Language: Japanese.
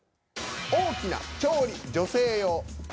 「大きな」「調理」「女性用」。